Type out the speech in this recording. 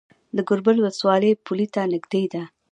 د ګربز ولسوالۍ پولې ته نږدې ده